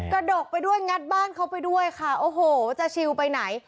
ดกไปด้วยงัดบ้านเขาไปด้วยค่ะโอ้โหจะชิวไปไหน